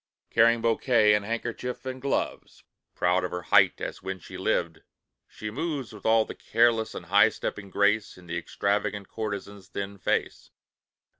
Carrying bouquet, and handkerchief, and gloves, Proud of her height as when she lived, she moves With all the careless and high stepping grace, And the extravagant courtesan's thin face.